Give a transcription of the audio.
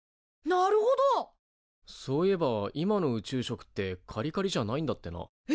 そういえば今の宇宙食ってカリカリじゃないんだってな。え！？